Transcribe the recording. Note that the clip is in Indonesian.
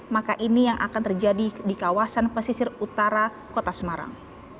maka ini yang akan terjadi di kawasan pesisir utara kota semarang